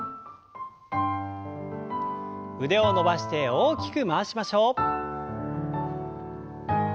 腕を伸ばして大きく回しましょう。